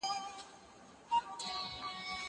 کتابتون د مور له خوا پاکيږي!؟